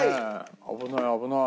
危ない危ない。